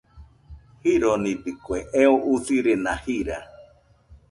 Jironidɨkue, eo usirena jira.